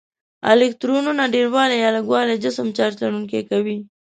الکترونونو ډیروالی یا لږوالی جسم چارج لرونکی کوي.